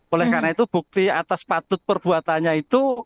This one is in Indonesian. oleh karena itu bukti atas patut perbuatannya itu